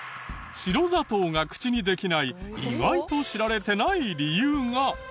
白砂糖が口にできない意外と知られてない理由が。